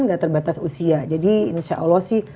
nggak terbatas usia jadi insya allah sih